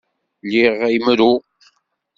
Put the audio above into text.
Liɣ imru.